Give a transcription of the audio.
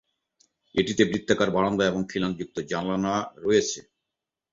এটিতে বৃত্তাকার বারান্দা এবং খিলানযুক্ত জানালা রয়েছে।